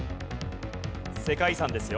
世界遺産ですよ。